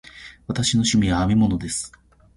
私の趣味は編み物です。